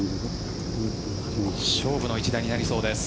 勝負の一打になりそうです。